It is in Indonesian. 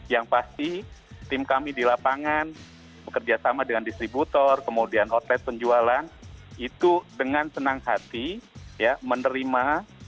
yang pasti tim kami di lapangan bekerja sama dengan distributor kemudian outlet penjualan itu dengan senang hati menerima